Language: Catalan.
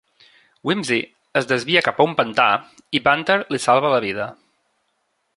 Wimsey es desvia cap a un pantà i Bunter li salva la vida.